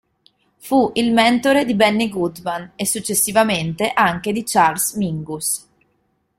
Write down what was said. Fu il mentore di Benny Goodman, e successivamente anche di Charles Mingus.